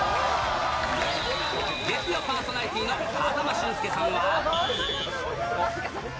月曜パーソナリティーの風間俊介さんは。